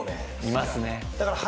いますね。